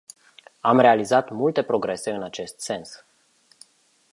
Am realizat multe progrese în acest sens.